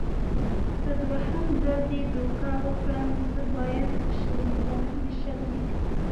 که دوهم ځل دې دوکه کړم زه باید وشرمېږم.